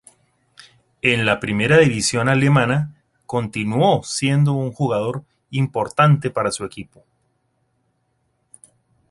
En la primera división alemana continuó siendo un jugador importante para su equipo.